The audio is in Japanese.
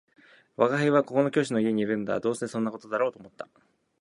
「吾輩はここの教師の家にいるのだ」「どうせそんな事だろうと思った